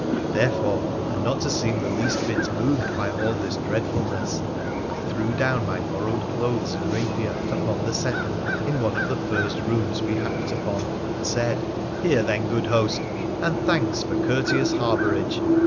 Therefore, and not to seem the least bit moved by all this dreadfulness, I threw down my borrowed clothes and rapier upon the settle in one of the first rooms we happed upon, and said: 'Here, then, good host— and thanks for courteous harbourage